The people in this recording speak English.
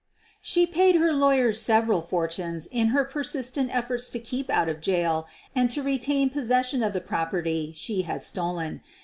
She paid her lawyers several fortunes in her per sistent efforts to keep out of jail and to retain possession of the property she had stolen.